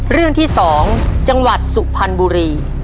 เรื่องที่๒จังหวัดสุพรรณบุรี